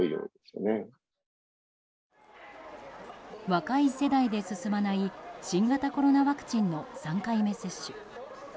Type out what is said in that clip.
若い世代で進まない新型コロナワクチンの３回目接種。